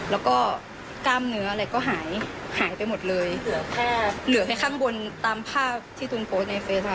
แล้วก็กล้ามเนื้ออะไรก็หายหายไปหมดเลยเหลือแค่เหลือแค่ข้างบนตามภาพที่ตูนโพสต์ในเฟซอ่ะ